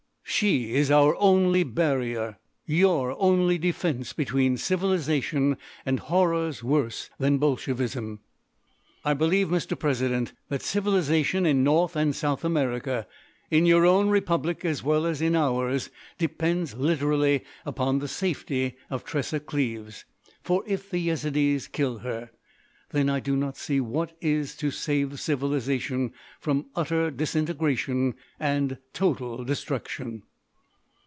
"She is our only barrier—your only defence—between civilisation and horrors worse than Bolshevism. "I believe, Mr. President, that civilisation in North and South America—in your own Republic as well as in ours—depends, literally, upon the safety of Tressa Cleves. For, if the Yezidees kill her, then I do not see what is to save civilisation from utter disintegration and total destruction."